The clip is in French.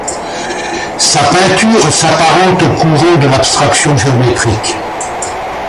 Sa peinture s’apparente aux courants de l’abstraction géométrique.